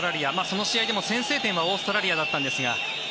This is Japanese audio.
その試合でも先制点はオーストラリアだったんですが。